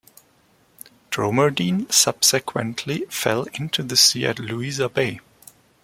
Droemerdene subsequently fell into the sea at Louisa Bay.